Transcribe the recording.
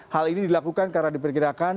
hal ini dilakukan karena diperkirakan